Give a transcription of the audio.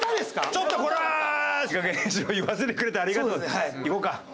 ちょっとこれは「“いいかげんにしろ”言わせてくれてありがとう」でいこうか。